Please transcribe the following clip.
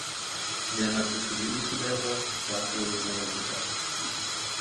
Яна прытулілася да яго, плакала ў яго на грудзях.